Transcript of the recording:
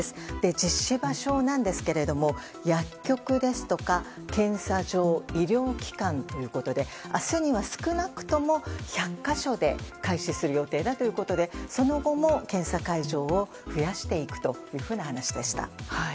実施場所なんですけれども薬局ですとか検査場医療機関ということで明日には、少なくとも１００か所で開始する予定だということでその後も検査会場を増やしていくというふうな話でした。